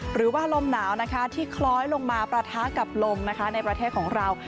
หรือว่าลมหนาวนะคะที่คล้อยลงมาประทะกับลมนะคะในประเทศของเรา